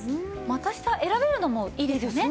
股下選べるのもいいですよね。